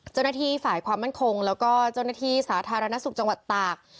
เจ้าหน้าที่ฝ่ายความมั่นคงแล้วก็เจ้าหน้าที่สาธารณสุขจังหวัดตาก